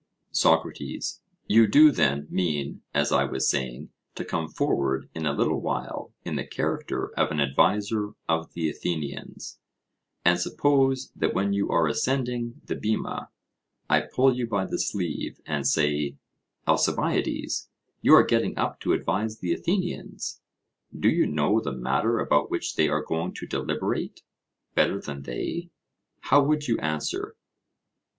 SOCRATES: You do, then, mean, as I was saying, to come forward in a little while in the character of an adviser of the Athenians? And suppose that when you are ascending the bema, I pull you by the sleeve and say, Alcibiades, you are getting up to advise the Athenians do you know the matter about which they are going to deliberate, better than they? How would you answer?